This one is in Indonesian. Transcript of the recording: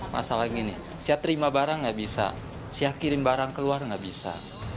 masalah gini saya terima barang nggak bisa saya kirim barang keluar nggak bisa